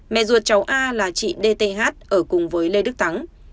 mẹ ruột cháu a là chị dth ở cùng với lê đức thắng